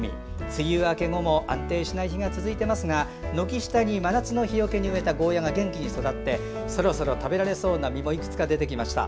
梅雨明け後も安定しない日が続いていますが軒下に真夏の日よけに植えたゴーヤが元気に育ってそろそろ食べられそうな実もいくつか出てきました。